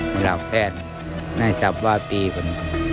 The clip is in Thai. หลักแทนน่าจะบ้าปีก่อน